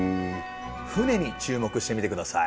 船に注目してみてください。